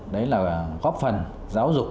đấy là góp phần giáo dục